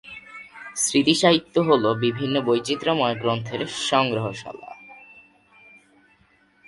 স্মৃতি সাহিত্য হল বিভিন্ন বৈচিত্র্যময় গ্রন্থের সংগ্রহশালা।